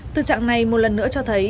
tư trạng này một lần nữa cho thấy